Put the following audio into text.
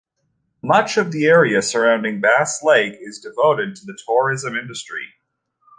Much of the area surrounding Bass Lake is devoted to the tourism industry.